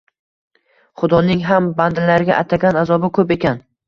Xudoning ham bandalariga atagan azobi ko‘p ekan.